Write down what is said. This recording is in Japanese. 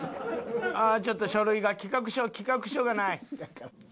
「ちょっと書類が企画書企画書がない」。